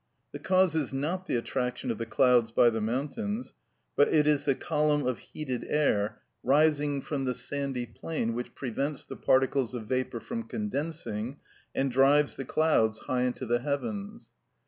The cause is not the attraction of the clouds by the mountains; but it is the column of heated air rising from the sandy plain which prevents the particles of vapour from condensing, and drives the clouds high into the heavens.